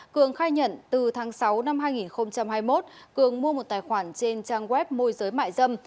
cường khai nhận từ tháng sáu năm hai nghìn hai mươi một cường mua một tài khoản trên trang web môi giới mại dâm